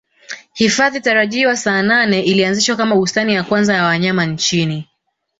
Hifadhi tarajiwa Saanane ilianzishwa kama bustani ya kwanza ya wanyama nchini